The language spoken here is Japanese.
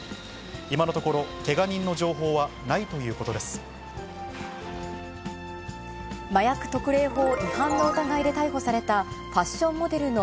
今のところ、けが人の情報はない麻薬特例法違反の疑いで逮捕された、ファッションモデルの